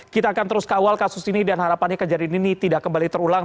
kita akan terus kawal kasus ini dan harapannya kejadian ini tidak kembali terulang